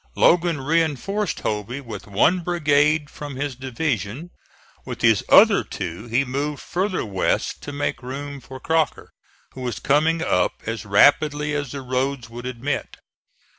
Logan reinforced Hovey with one brigade from his division; with his other two he moved farther west to make room for Crocker, who was coming up as rapidly as the roads would admit.